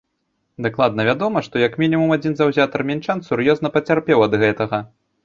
Дакладна вядома, што як мінімум адзін заўзятар мінчан сур'ёзна пацярпеў ад гэтага.